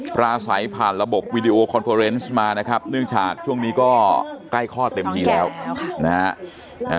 ปราศัยผ่านระบบวีดีโอคอนเฟอร์เนสมานะครับเนื่องจากช่วงนี้ก็ใกล้ข้อเต็มที่แล้วนะฮะ